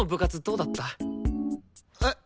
えっ？